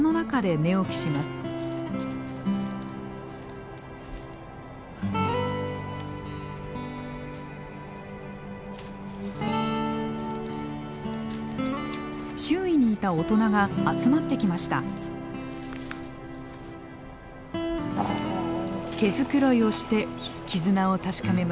毛繕いをして絆を確かめます。